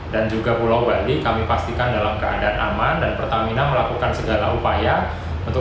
dan juga pulau bali kami pastikan dalam keadaan aman dan pertamina melakukan segala upaya untuk